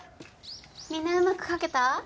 みんなうまく描けた？